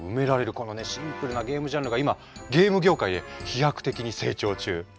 このねシンプルなゲームジャンルが今ゲーム業界で飛躍的に成長中。ね。